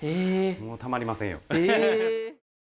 もうたまりませんよ。